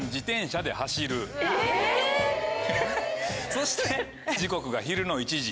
そして時刻が昼の１時。